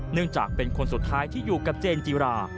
เนื่องจากเป็นคนสุดท้ายที่อยู่กับเจนจิรา